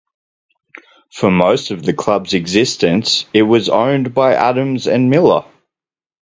For most of the club's existence, it was owned by Adams and Miller.